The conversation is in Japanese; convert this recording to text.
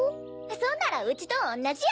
そんならうちとおんなじや。